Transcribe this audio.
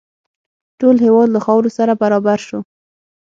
ټول هېواد له خاورو سره برابر شو.